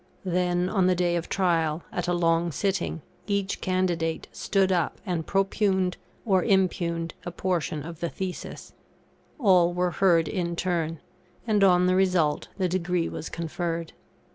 Then on the day of trial, at a long sitting, each candidate stood up and propunged or impunged a portion of the Thesis; all were heard in turn; and on the result the Degree was conferred.